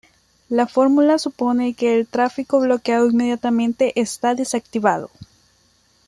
La fórmula supone que el tráfico bloqueado inmediatamente está desactivado.